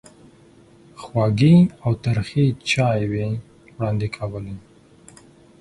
خوږې او ترخې چایوې وړاندې کولې.